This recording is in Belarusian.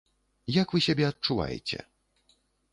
Як вы сябе адчуваеце?